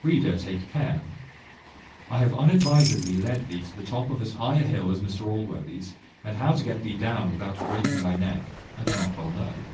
Reader, take care. I have unadvisedly led thee to the top of as high a hill as Mr Allworthy's, and how to get thee down without breaking thy neck, I do not well know.